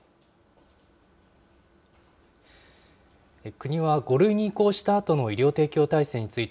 国は５類に移行したあとの、医療提供体制について、